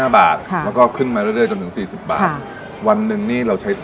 บอกได้มั้ย